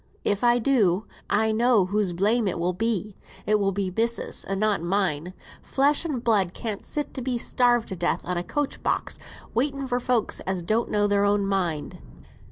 "If I do, I know whose blame it will be. It will be missis's, and not mine. Flesh and blood can't sit to be starved to death on a coach box, waiting for folks as don't know their own mind."